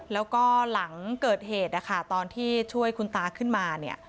แล้วก็หลังเกิดเหตุนะคะตอนที่ช่วยคุณตาขึ้นมาเนี่ย